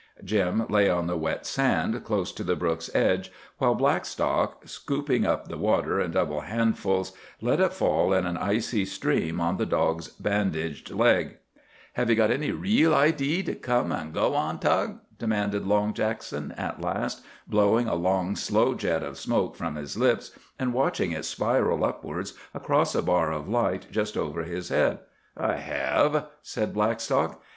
Jim lay on the wet sand, close to the brook's edge, while Blackstock, scooping up the water in double handfuls, let it fall in an icy stream on the dog's bandaged leg. "Hev ye got any reel idee to come an' go on, Tug?" demanded Long Jackson at last, blowing a long, slow jet of smoke from his lips, and watching it spiral upwards across a bar of light just over his head. "I hev," said Blackstock.